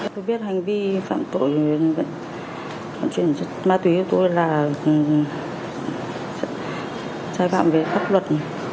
tôi biết hành vi phạm tội ma túy của tôi là sai phạm về các luật